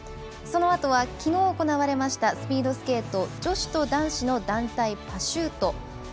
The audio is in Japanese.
そのあとはきのう行われましたスピードスケート女子と男子の団体パシュート。